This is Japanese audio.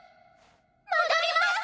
戻ります！